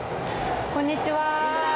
こんにちは。